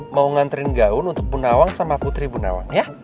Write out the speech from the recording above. mau ngantrin gaun untuk bunawang sama putri bunawang ya